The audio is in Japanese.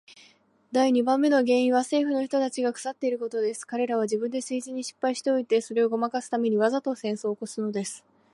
第二番目の原因は政府の人たちが腐っていることです。彼等は自分で政治に失敗しておいて、それをごまかすために、わざと戦争を起すのです。